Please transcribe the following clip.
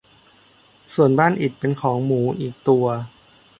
ส่วนบ้านอิฐเป็นของหมูอีกตัว